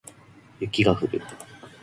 雪が降る